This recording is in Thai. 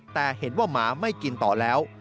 แต่เห็นว่าหมาไม่กินต่อแล้ว